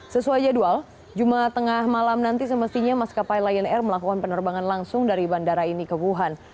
sesuai jadwal jumat tengah malam nanti semestinya maskapai lion air melakukan penerbangan langsung dari bandara ini ke wuhan